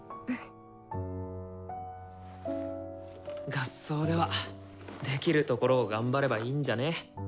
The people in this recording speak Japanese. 合奏ではできるところを頑張ればいいんじゃね？